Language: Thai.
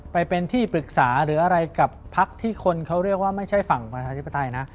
ไปเป็นที่ปรึกษาหรืออะไรกับพักที่คนเขาเรียกว่าไม่ใช่ฝั่งประชาธิปไตยนะ